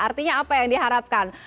artinya apa yang diharapkan